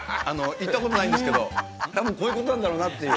行ったことないんですけどたぶん、こういうことなんだろうなっていう。